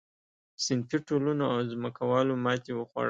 صنفي ټولنو او ځمکوالو ماتې وخوړه.